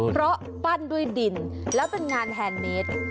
เพราะปั้นด้วยดินแล้วเป็นงานแฮนดเนส